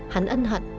hắn ân hận